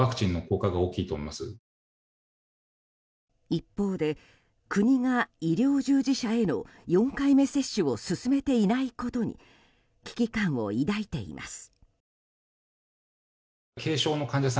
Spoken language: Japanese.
一方で、国が医療従事者への４回目接種を進めていないことに危機感を抱いています。